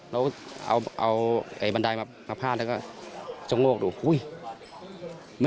เราเอาบันไดมาผ่านแล้วก็ทรงโลกดู